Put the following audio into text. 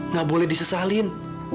nggak boleh disesalin